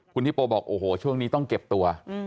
คุณฮิโปบอกโอ้โหช่วงนี้ต้องเก็บตัว